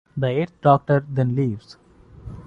The Eighth Doctor then leaves.